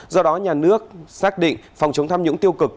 do đó nhà nước xác định phòng chống tham nhũng tiêu cực